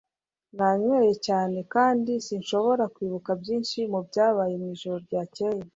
Nanyweye cyane kandi sinshobora kwibuka byinshi mubyabaye mwijoro ryakeye.